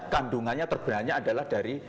kandungannya terbenarnya adalah dari